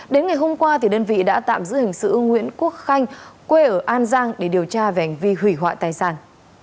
đến ngày hôm qua đơn vị đã tạm giữ hình sự nguyễn quốc khanh quê ở an giang để điều tra về hành vi hủy hoại tài sản